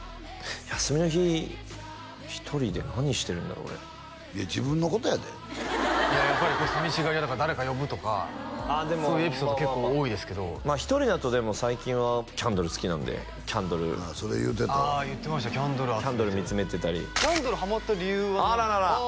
休みの日１人で何してるんだろう俺いや自分のことやでやっぱり寂しがり屋だから誰か呼ぶとかそういうエピソード結構多いですけどまあ１人だとでも最近はキャンドル好きなんでキャンドルああそれ言うてたわキャンドル見つめてたりキャンドルハマった理由はあららら！